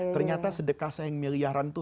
ternyata sedekah sayang miliaran itu